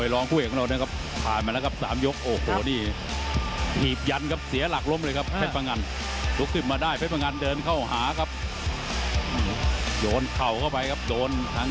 แล้วทำร้ายตัวเองเสียจังหวานไปนิดนึง